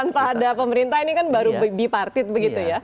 tanpa ada pemerintah ini kan baru bipartit begitu ya